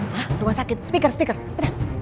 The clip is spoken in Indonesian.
hah rumah sakit speaker speaker udah